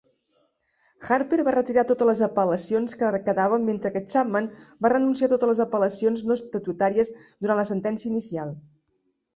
Harper va retirar totes les apel·lacions que quedaven mentre que Chapman va renunciar a totes les apel·lacions no estatutàries durant la sentència inicial.